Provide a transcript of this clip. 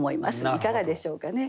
いかがでしょうかね？